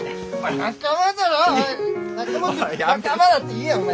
仲間って仲間だって言えお前！